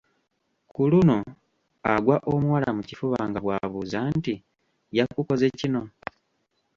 Ku luno agwa omuwala mu kifuba nga bw’abuuza nti, “yakukoze kino?"